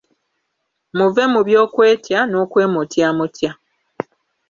Muve mu by’okwetya n’okwemotyamotya.